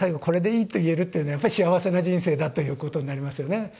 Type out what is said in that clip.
これでいいと言えるというのはやっぱり幸せな人生だということになりますよね。